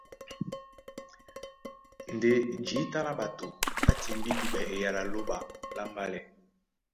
Ndé jǐta lá ɓato ɓá timbí dúɓɛ eyala a Lóɓa lá mbálɛ.